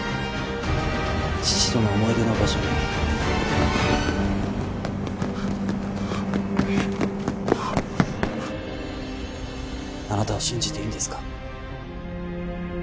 父との思い出の場所にあなたを信じていいんですか？